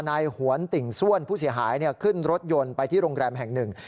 นายหวนติ่งส้วนผู้เสียหายเนี่ยขึ้นรถยนต์ไปที่โรงแรมแห่ง๑